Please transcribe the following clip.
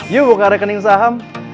yuk buka rekening saham